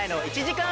１時間